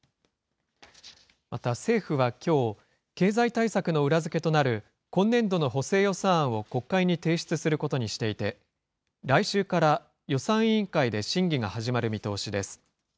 また政府はきょう、経済対策の裏付けとなる今年度の補正予算案を国会に提出することにしていて、来週から予算委員会で審議が始まる見通しです。